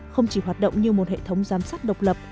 không chỉ hoạt động như một hệ thống giám sát độc lập